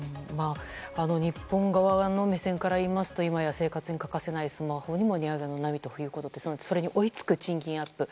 日本側の目線からいいますと今や生活に欠かせないスマホにも値上げの波ということでそれに追いつく賃金アップ